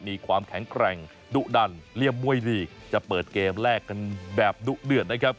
มีความแข็งแกร่งดุดันเหลี่ยมมวยดีจะเปิดเกมแรกกันแบบดุเดือดนะครับ